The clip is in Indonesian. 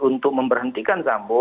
untuk memberhentikan sambo